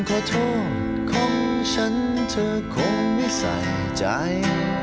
ขอโทษของฉันเธอคงไม่ใส่ใจ